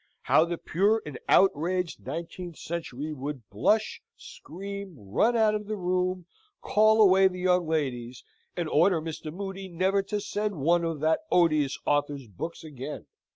How the pure and outraged Nineteenth Century would blush, scream, run out of the room, call away the young ladies, and order Mr. Mudie never to send one of that odious author's books again!